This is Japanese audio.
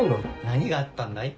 何があったんだい？